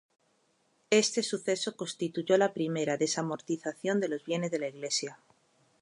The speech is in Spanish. Este suceso constituyó la primera desamortización de los bienes de la Iglesia.